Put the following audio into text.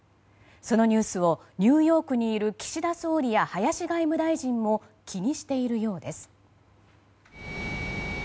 そのニュースをニューヨークにいる岸田総理や林外務大臣も気にしているようです。